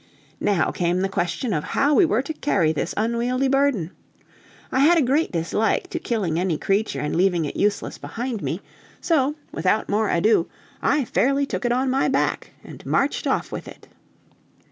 Now came the question of how we were to carry this unwieldy burden. I had a great dislike to killing any creature and leaving it useless behind me; so, without more ado, I fairly took it on my back, and marched off with it.